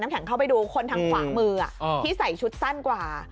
แข็งเข้าไปดูคนทางขวามือที่ใส่ชุดสั้นกว่า